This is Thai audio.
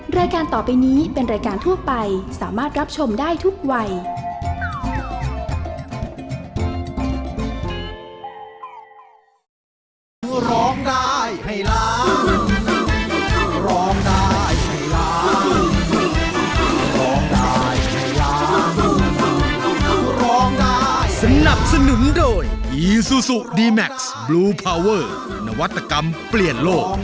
รายการต่อไปนี้เป็นรายการทั่วไปสามารถรับชมได้ทุกวัย